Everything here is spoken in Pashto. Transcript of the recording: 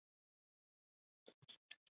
په لومړیو کې بزګر د ځان لپاره سامان جوړولی شو.